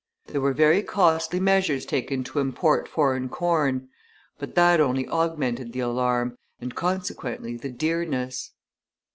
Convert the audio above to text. There were very costly measures taken to import foreign corn; but that only augmented the alarm, and, consequently, the dearness.